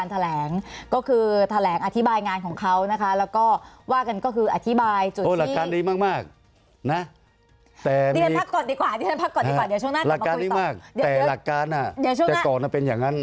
แต่หลักการแต่ก่อนเป็นอย่างนั้น